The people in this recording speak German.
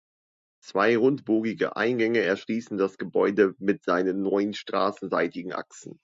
Zwei rundbogige Eingänge erschließen das Gebäude mit seinen neun straßenseitigen Achsen.